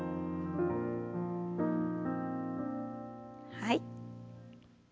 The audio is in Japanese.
はい。